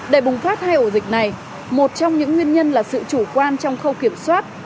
để bùng phát hai ổ dịch này một trong những nguyên nhân là sự chủ quan trong khâu kiểm soát